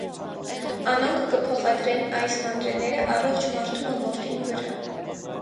Անոնք կը փոխադրեն այս մանրէները առողջ մարդու մը մորթին վրայ։